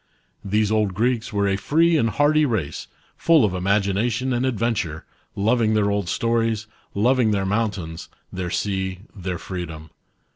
These old Greeks were a free and hardy race, full of imagination and adventure, loving their old stories, loving their mountains, their sea, their freedom.